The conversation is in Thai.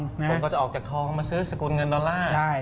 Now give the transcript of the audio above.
คนก็จะออกจากทองมาซื้อสกุลเงินดอลลาร์